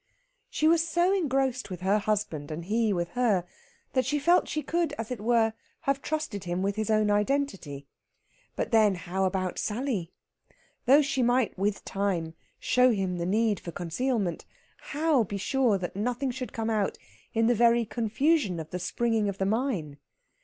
She was so engrossed with her husband, and he with her, that she felt she could, as it were, have trusted him with his own identity. But, then, how about Sally? Though she might with time show him the need for concealment, how be sure that nothing should come out in the very confusion of the springing of the mine?